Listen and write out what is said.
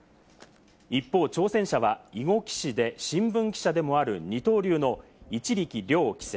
一方、挑戦者は囲碁棋士で新聞記者でもある二刀流の一力遼棋聖。